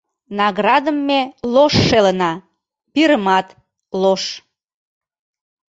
Наградым ме лош шелына, пирымат — лош.